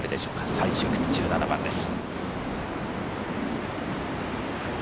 最終組の１７番です。